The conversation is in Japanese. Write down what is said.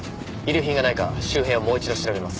遺留品がないか周辺をもう一度調べます。